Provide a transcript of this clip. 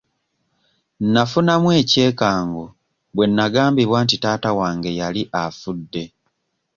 Nafunamu ekyekango bwe nagambibwa nti taata wange yali afudde.